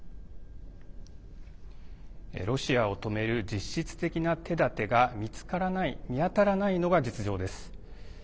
ロシアを止める実質的な手だてが見つからない見当たらないのが実情です。